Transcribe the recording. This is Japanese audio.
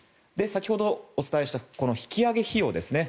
先ほど、お伝えした引き揚げ費用ですね。